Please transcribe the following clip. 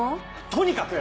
とにかく！